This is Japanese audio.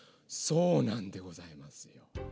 そうなんでございます。